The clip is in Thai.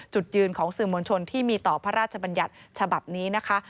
จุดยืนของสื่อมวลชนที่มีต่อพระราชบัญญัติฉบับนี้นะคะ